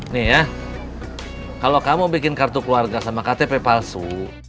nih ya kalau kamu bikin kartu keluarga sama ktp palsu